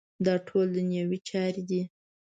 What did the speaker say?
دا ټول دنیوي چارې دي.